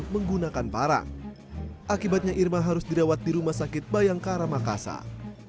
menggunakan parang akibatnya irma harus dirawat di rumah sakit bayangkara makassar